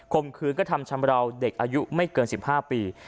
มื้อกระทำชำราวเด็กอายุไม่เกิน๑๕ปี